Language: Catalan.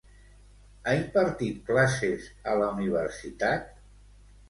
Ha impartit classes a la universitat?